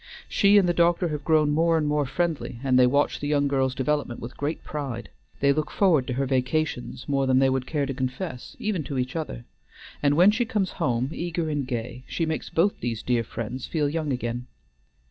She and the doctor have grown more and more friendly, and they watch the young girl's development with great pride: they look forward to her vacations more than they would care to confess even to each other; and when she comes home eager and gay, she makes both these dear friends feel young again.